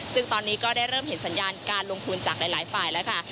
ซึ่งตอนนี้ก็ได้เริ่มเห็นสัญญาณการลงทุนจากหลายฝ่ายแล้วค่ะ